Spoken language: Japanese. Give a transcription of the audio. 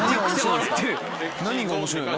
何が面白いの？